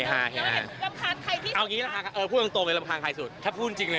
ลำคาญใครที่สุดเอางี้แหละค่ะเออพูดจริงเลย